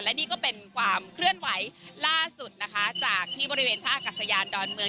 และนี่ก็เป็นความเคลื่อนไหวล่าสุดนะคะจากที่บริเวณท่าอากาศยานดอนเมือง